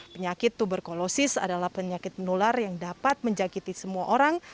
penyakit tuberkulosis adalah penyakit menular yang dapat menjakiti semua orang